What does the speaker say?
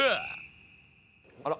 あら！